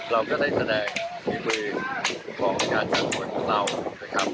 เราก็ได้แสดงชีวิตความประกาศทางคนของเรานะครับ